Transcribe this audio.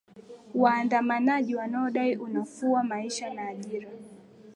waandamanaji wanaodai unafua maisha na ajira